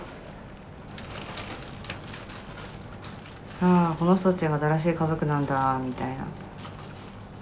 「ああこの人たちが新しい家族なんだ」みたいな。